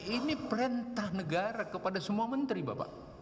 ini perintah negara kepada semua menteri bapak